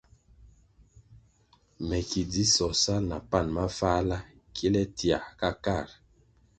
Me ki dzisoh sal na pan mafáhla kile tiãh ka kar.